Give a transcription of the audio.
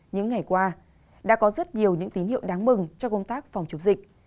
những ngày qua đã có rất nhiều những tín hiệu đáng mừng cho công tác phòng chống dịch